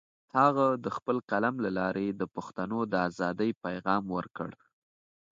هغه د خپل قلم له لارې د پښتنو د ازادۍ پیغام ورکړ.